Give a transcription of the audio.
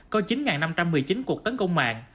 có chín năm trăm một mươi chín cuộc tấn công mạng